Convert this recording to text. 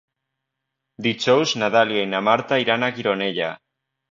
Dijous na Dàlia i na Marta iran a Gironella.